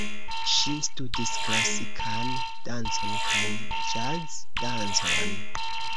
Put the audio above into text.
Ŝi studis klasikan dancon kaj jazz-dancon.